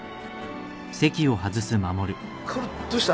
薫どうした？